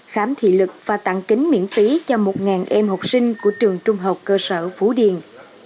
khám thị lực và tặng kính miễn phí cho một em học sinh của trường trung học cơ sở phú điền